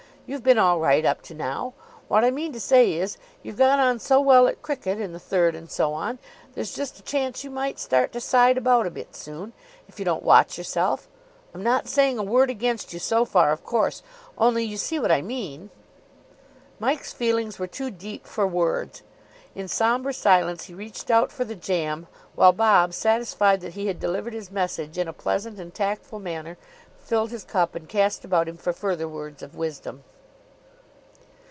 "You've been all right up to now. What I mean to say is, you've got on so well at cricket, in the third and so on, there's just a chance you might start to side about a bit soon, if you don't watch yourself. I'm not saying a word against you so far, of course. Only you see what I mean." Mike's feelings were too deep for words. In sombre silence he reached out for the jam; while Bob, satisfied that he had delivered his message in a pleasant and tactful manner, filled his cup, and cast about him for further words of wisdom.